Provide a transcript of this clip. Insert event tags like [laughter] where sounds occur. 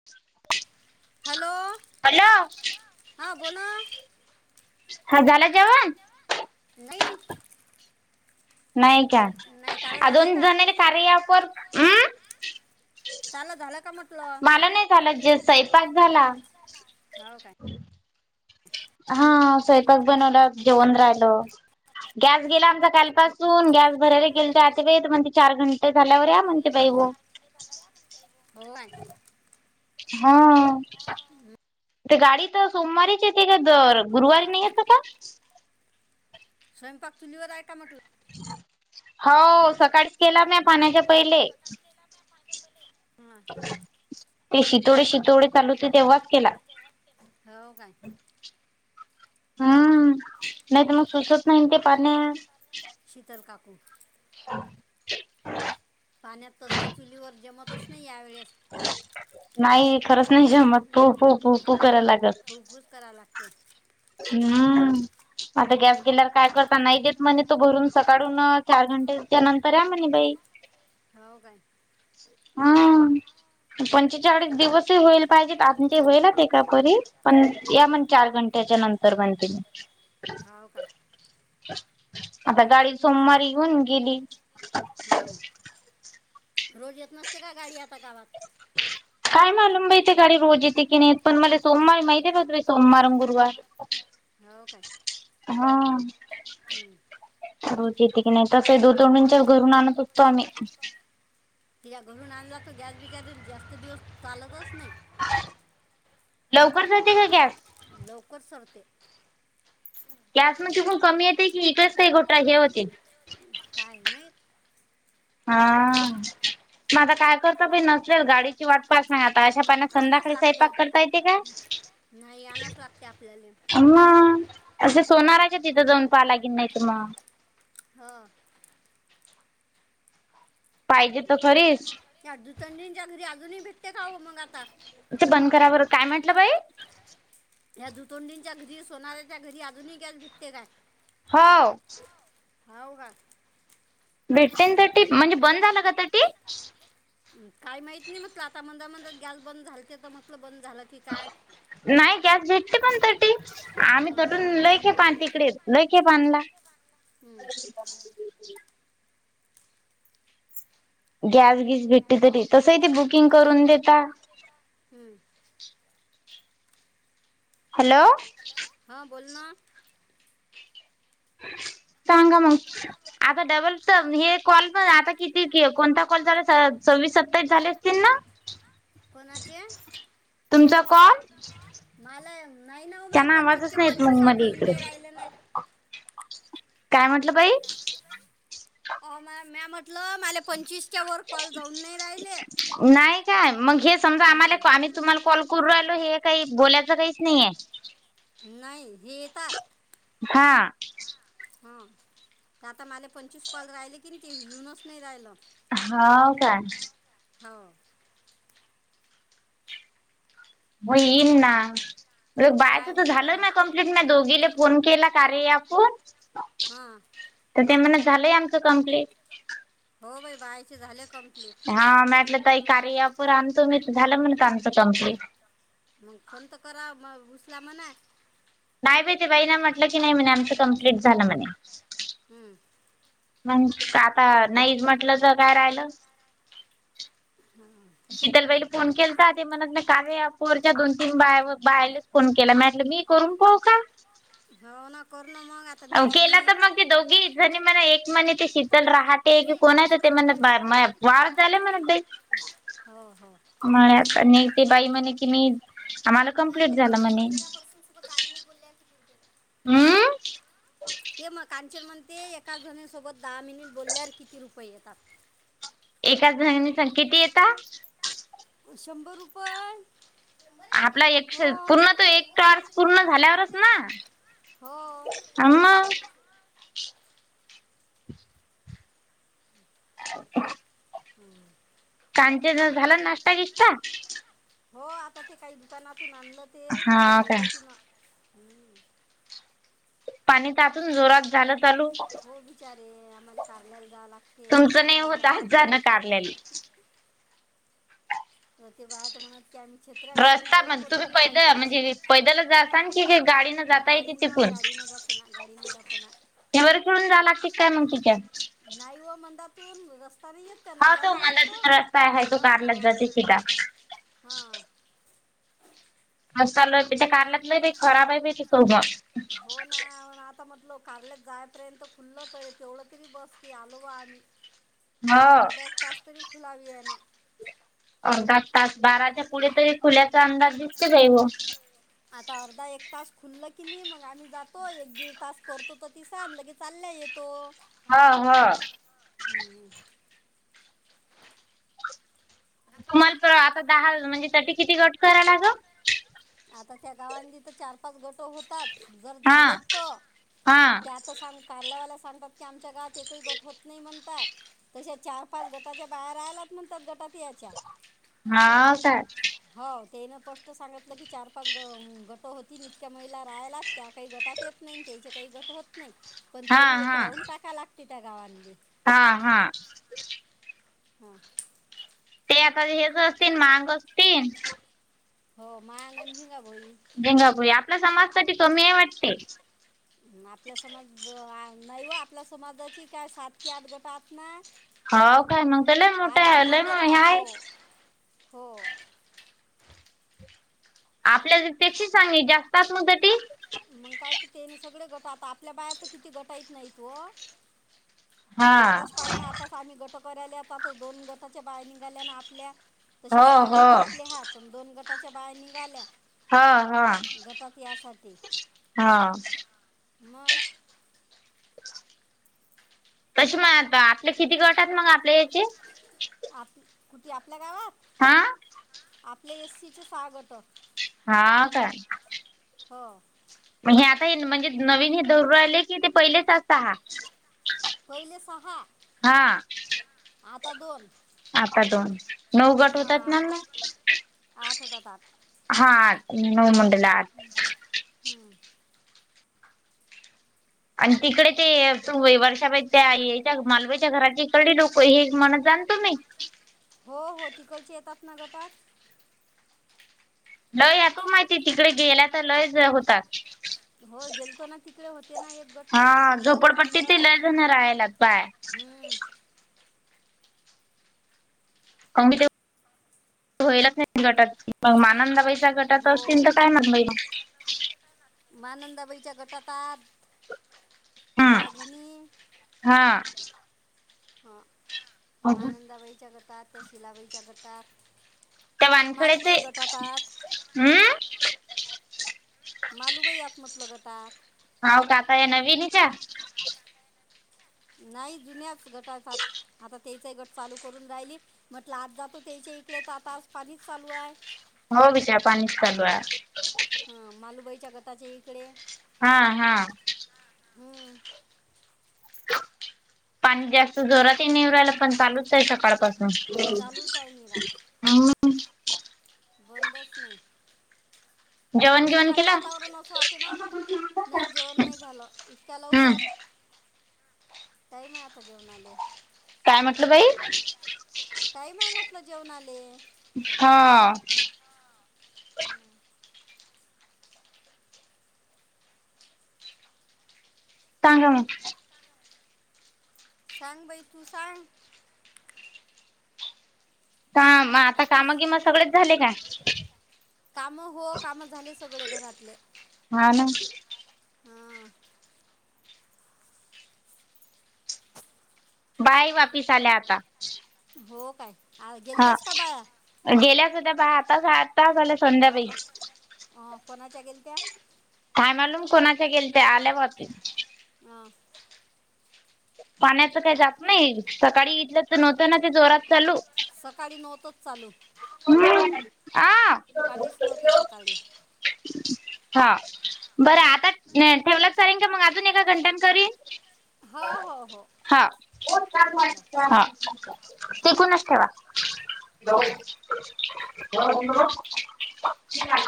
[inaudible] Hello! Hello, हा बोला. हा झाला जेवण? नाही. नाही का, आजुन दोन्ह जनीनी कारया ऍपवर अ चला झालं का म्हटलं? मला नाही झालं जे स्यपाक झाला. हो काय? हा स्वयंपाक बनवला जेवण राहिल, गॅस गेला आमचा काल पासून गॅस भरायला गेलत आता बाई म्हणते चार घंटे झाल्यावर या म्हणते बाई हो. हा. ते गाडी तर सोमवारीच येते का दर गुरुवारी नाही येत का? स्वयंपाक चुलीवर आहे का म्हटलं? हो सकाळीच केला मी पाण्याच्या पहिले. ते शितोडे-शितोडे चालूते तेव्हाच केला. हो काय? हम्म, नाही तर मग सुचत नाही ते पाण्या. शीतल काकू. [unintelligible] पाण्यात तसही चुलीवर जमतच नाही यावेेळेस नाही खरंच नाही जमत तो पो पो फू करायला लागत. उगच करालय. [unintelligible] हम्. आता गॅस गेल्यावर काय करता नाही देत म्हणे तो भरून सकाळून चार घंटेच्या नंतर या‌ म्हणे बाई. हो काय? हा, पण चा चार दिवस होईल पाहिजेत आज ते होईल एका तरी पण या म्हण चार घंट्याच्या नंतर. सरं बणते हांव कायं आंता गांडी सोमवारी येेऊंन गेली रोज येतं नसते कां गांडी आंता गावांत नाहीं [unintelligible] कायं मालूमंबांइ ते गांडी रोज इथे की नाहीं पणं मलां सोमवारी मं माहिती बाई सोमवार अं गुरुवार आप्त [unintelligible] हांव कायं हां रोज एते की नाहीं तसं दो तोंडंच्यां घरूंन आणतं असतो आम्हीं तिच्यां घरूंन आणंला तरं गॅस बिचारे जास्तं दिवसं चालतचं नाहीं लवकरं जाते कां गॅस लवकरं संपते गॅस तिकडूंन कमी येते की इकडेचं कां गोठां हे होतील कायं माहित हां मंग आंता कायं करतं पणं नसेल गांडी वाटपातं असं नां आंता अशा पानां संध्याकाळी स्वयंपाक करतां येते कां नाहीं आणाचं लागते आपल्यांले नेहुन होणारांच्या तिथं जाऊंन पाहाय लागेल नाहीं मंग हां पाहिजे तरं खरीचं हं दुचंडींच्या घरी अजूंनही भेटते कां हो मंग आंता ते बंद कराबं बाई कायं म्हटलं बाई त्यां दुतोंडींच्यां घरी सोनाऱ्यांच्या घरी अजूंनही गॅस भेटते कायं हो हांव कां भेटेन तरं म्हणजे बंद झालं कां ती कांहीं माहीत नाहीं म्हटलं आनता मंदा मंदरात गॅस बंद झालचे तरं म्हटलं बंद झालं की कायं नाहीं गॅस भेटते पणं तटी आम्हीं तटूंन लैखेप आंनंला तिकडे लैखे पानलां हम्मं गॅस गीस भेटली तरी तसंही ते बुकिंग करूंन देतांत हम्मं हॅलो हां बोल नां सांगा मंग आंता डबल तरं हे कॉल पणं आंता किती कोणंता कॉल झालां सव्वीस सत्तावीस झाले असतील नां च [unintelligible] कोणांचे तुमचां काॅल मलां नाहीं नांऊ मांय पंचवीसच्या पंचवीसांत येऊंन नाहीं राहिलं नां कायं म्हटलं बाई अ मं मॅ म्हटलं मलां पंचवीसच्यांया वरं कॉल जाऊंन नाहीं राहिले नाहीं कायं मंग हे समजां आम्हांला आम्हीं तुम्हांला कॉल करूं राहिलो हे कांहीं बोलायचं काहींचं नाहीये नाहीं हे येतांत हा! हा तर आता मला पंचवीस कॉल राहिले की ते येऊनच नाही राहिलं. हाव काय? हो! म येईन ना बायचं तर झालं ना क दोघीला फोन केला कार रे आपण हा! तर ते मन झालंय आमचं कम्प्लीट. हो बाई बायचे झाले कम हा म्हटलं तई कार्या ॲप आणतो मी झालं म्हण आणतो कंप्लीट. मग फोन तर करा मग उचला म्हणा. नाही बाहि ते बाई ना म्हटलं की नाही म्हणे आमचं कम्प्लीट झालं म्हणे. हम्म! मग आता नाही म्हटलं तर काय राहिलं. हं! शितल बाईला फोन केलता ते म्हणत ना कामे अँप वरच्या दोन तीन बा -बायल फोन केला म्हटलं मी करून पाहु का? हवना. कर ना मग. अ केला तर मग ते दौघी. धनी मला एक म्हणे ते शीतल राहते क कोणा आहे तर ते म्हणत [unintelligible] वार झाले म्हणत ते. हम्! हो हो! म्ह ते बाई म्हणे कि मी आम्हाला कम्प्लीट झालं म्हणे. [unintelligible] तामनीर बोलल्या हम्म! ते मग कांचन म्हणते एका जणीसोबत दहा मिनिट बोलल्यावर किती रुपये येतात. एकाच जनी सं किती येता? शंभर रुपये. आपला एकश पूर्ण ते एक क्स पूर्ण झाल्यावरच ना. आ म्ह! [inaudible] हम्म! कांचना झाला नाष्टा बेस्ट? हो आता ते काही दुकानातून आणलं ते खाल्लं ति न. पाणी तातून जोरात झालं. हो बिचारे आम्हाला कारलायला जाव लागते काय माहीत आता. ते भात म्हणत की आम्ही छे कत्र्या घेऊन रेनकोट घेऊन आलतो गाडी न गाडी न जात. खना गाडी वरून जाताना. त्यावर खेऊन जाला की काय मग तिच्या? नाई व मंदातून रस् येत नाला नाही येतो हा हा हा. रस् लो त्या कारलात लोय खराब आहे क सो. हो ना आता आता म्हटलो कारलत जायपर्यंत खुल्लं तर तेवढं तरी बस की आलो बा आम्ही अर्धा एक तास तरी खुलावी आहे ना अर्धा तास बाराच्या पुढे तरी खुल्याचा अंदाज दिसतच आहे हो आता अर्धा एक तास खुल्ल की नाही मग आम्ही जातो एक दीड तास करतो तर तिसा आणि लगे चाल्या येतो हा, हा हम्म तुम्हाला तर आता दहा म्हणजे तट किती गट करायला लागं आता त्या गावांनी तर चार, पाच गट होतात जर झालेत तर पण त्यात सांग कारल्यावाला सांगतात की आमच्या गावात एकही गट होत नाही म्हणतात तसे चार, पाच गटाच्या बाया राहल्यात म्हणतात गटात याच्या हाव काय हाव तेन पष्ट सांगितलं की चार, पाच गट होती इतक्या महिला राहायला त्या काही गटात येत नाही त्याचे काही गट होत नाहीत पण तरी एक राहून टाका लागते त्या गावांमध्ये हा, हा हां ते आता हेच असतील मांग असतील हो मागं झिंगा भोई झिंगा भोई आपल्या समाजसाठी कमी आहे वाटते आपल्या समाज नाही व आपल्या समाजाची काय सात की आठ गट आत ना हो काय न देले मोठे हले म ह आहे हो आपल्याला त्याशी सांगली जास्तात मुत ती मग काय तर तेन सगळे गट आता आपल्या बायात तर किती गटा यत नाहीत व आताच पाहि ना आताच आम्ही गट करायल्या आताच दोन गटाच्या बाया निघाल्याने आपल्या तसे सहा गट आपले हा प दोन गटाच्या बाया निघाल्या हा, हा गटात यासाठी हा म तसे मण आपले किती गटात मग आपल्या याचे आप कुठे आपल्या गावात हा आपल्या एससीचे सा गट हा काय हो हे आता हे म्हणजे नवीन हे दरू राहिले की ते पहिलेच असत हा पहिले सहा हा आता दोन आता दोन हा आठ, आठ होतात आठ हा नऊ [unintelligible] ह हम्म आणि तिकडे ते त वर्षा बाईच्या त्या याच्या मालवाईच्या घराची इिकडडे लोक हे म्हणत जाण तुम् [unintelligible] हो -हो तिकडचे येतात ना गटात. लय हायत व माय ते, तिकडे गेल्या तर लयच होतात. हो गेलतो ना तिकडे होते ना एक गट मॉमीडनचाते ना एक. हम्म मग मी ते [unintelligible] नाही गटात मानांदा पैसा गटात असतील तर काय मग मा मानंद बाईच्या गटात आज दागनी. हा ह मानंदाबाईच्या गटात त्या शिलाबाईच्या गटात. मालुबई गटात आज. हम्म मालुबाई आहत म्हटल गटात. नाव टाकाय नवीन ईच्या. नाही जुन्याच गटाच आहात. आता तेंचाही गट चालू करून राहिली. म्हटल आज जातो त्याच्या इकडे तर आता आज पाणीच चालू आहे. हो [unintelligible] पाणी चालूच हाय. हा मालुबाईच्या गटाचे इकडे, हा- हा [inaudible] पाणी जास्त जोरात नाही येऊ राहिला पण चालूच आहे सकाळ पाासून. बंदच नाही. जेवन बिवन केला? हम [inaudible] नाही मी आता जेवणार हे. काय म्हटल बाई टायम आहे म्हटल जेवणाले हा सांग म- सांग बाई तू सांग काम आता कामा बिमा सगळेच झाले का? काम हो काम झाले सगळे घरातले. हा ना हां बाई वापिस आल्या आता हो काय आज गेलत्यास का बाया. गेल्याच होत्या बाया आता आतास आल्या. हो का? अ कोणाच्या गेल त्या. कायमालून कोणाच्या गेलत्या? आल्यावापीस ह पाण्याच काही जात नाही सकाळी इथल तर नव्हत ना ते जोरात चालू सकाळी नव्हतच चालू हम आ पाणीच नव्हत सकाळी हा बरं आता ठेवलात चालेन का मग अजून एका घंट्यान करीन? हा हो. हा हा. तेकूनच ठेवा. [unintelligible]